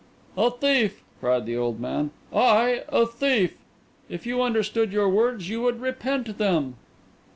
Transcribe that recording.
"A thief!" cried the old man. "I a thief! If you understood your words, you would repent them."